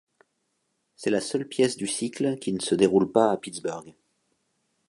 C'est la seule pièce du cycle qui ne se déroule pas à Pittsburgh.